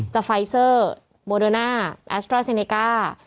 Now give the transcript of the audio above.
จากไฟเซอร์โบเดอร์น่าแอสเตอร์ซีเนก้า